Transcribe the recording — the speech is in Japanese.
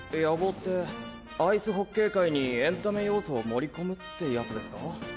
野望ってアイスホッケー界にエンタメ要素を盛り込むってやつですか？